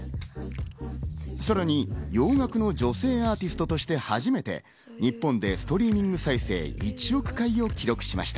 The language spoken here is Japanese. さらに洋楽の女性アーティストとして初めて日本でストリーミング再生１億回を記録しました。